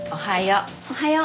おはよう。